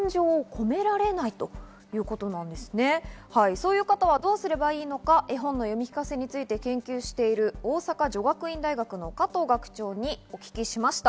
そういう方はどうすればいいのか絵本の読み聞かせについて研究している大阪女学院大学の加藤学長にお聞きしました。